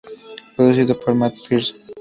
Producido por Matt Pierson.